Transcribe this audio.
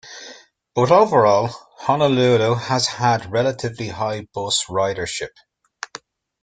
But overall, Honolulu has had relatively high bus ridership.